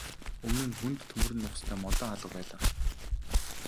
Өмнө нь хүнд төмөр нугастай модон хаалга байлаа.